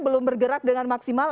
belum bergerak dengan maksimal